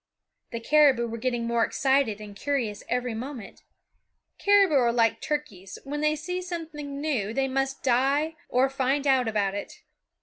The caribou were getting more excited and curious every moment. Caribou are like turkeys; when they see some new thing they must die or find out about it.